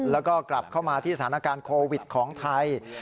แล้วก็กลับเข้ามาที่สถานการณ์โควิดของไทย